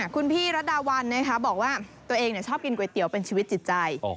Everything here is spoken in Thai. คุณพี่รัดดาวันบอกว่าตัวเองชอบกินก๋วยเตี๋ยวเป็นชีวิตจิตใจ